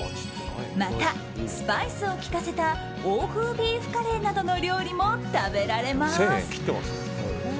またスパイスを効かせた欧風ビーフカレーなどの料理も食べられます。